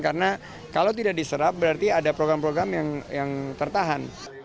karena kalau tidak diserap berarti ada program program yang tertahan